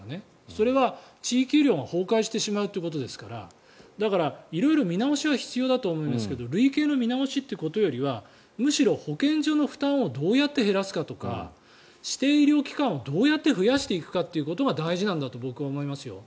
それは地域医療が崩壊してしまうということですからだから色々見直しは必要だと思いますけど類型の見直しということよりはむしろ保健所の負担をどうやって減らすかとか指定医療機関をどうやって増やしていくことが大事なんだと僕は思います。